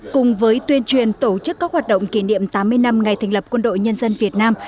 cùng với tuyên truyền tổ chức các hoạt động kỷ niệm tám mươi năm ngày thành lập quân đội nhân dân việt nam